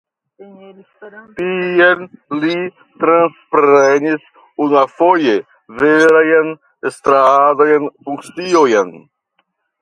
Tie li transprenis unuafoje verajn estradajn funkciojn.